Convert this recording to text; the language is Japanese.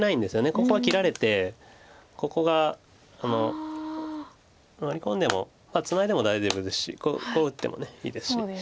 ここは切られてここがワリ込んでもツナいでも大丈夫ですしこう打ってもいいですし。